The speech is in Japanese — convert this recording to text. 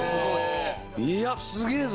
いやすげえぞ！